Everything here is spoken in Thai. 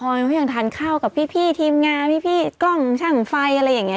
ก็ยังทานข้าวกับพี่ทีมงานพี่กล้องช่างไฟอะไรอย่างนี้